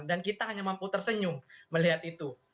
dan kita hanya mampu tersenyum melihat itu